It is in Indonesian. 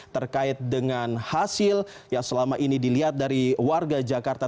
terkait dengan hasil yang selama ini dilihat dari warga jakarta